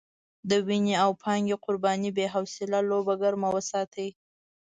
د وينې او پانګې قربانۍ بې حاصله لوبه ګرمه وساتي.